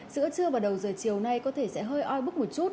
giữa trưa và đầu giờ chiều nay có thể sẽ hơi oi bức một chút